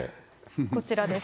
こちらです。